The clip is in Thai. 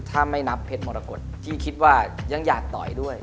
ถ้าไม่นับเพชรมรกฏที่คิดว่ายังอยากต่อยด้วย